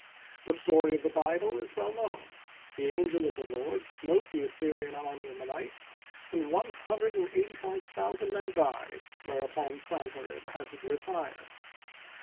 The story of the Bible is "well known. The angel of the Lord smote the Assyrian army in the night and one hundred and eighty five thousand men died, whereupon Sanherib had to retire.